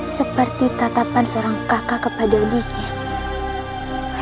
seperti tatapan seorang kakak kepada adiknya